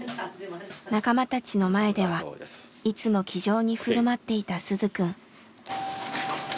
仲間たちの前ではいつも気丈に振る舞っていた鈴くん。